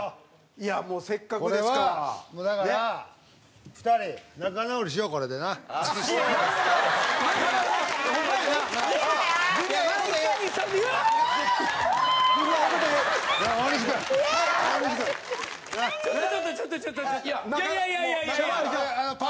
いやいやいやいやいやいや。